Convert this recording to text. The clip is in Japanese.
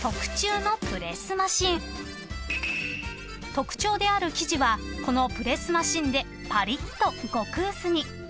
［特徴である生地はこのプレスマシンでパリッと極薄に］